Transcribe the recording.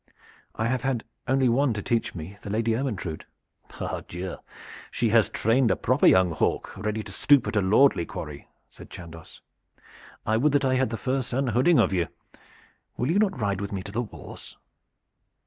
"I have had only one to teach me, the Lady Ermyntrude." "Pardieu! she has trained a proper young hawk ready to stoop at a lordly quarry," said Chandos. "I would that I had the first unhooding of you. Will you not ride with me to the wars?"